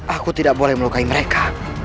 aku tidak boleh melukai mereka